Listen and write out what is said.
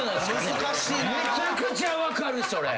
めちゃくちゃ分かるそれ！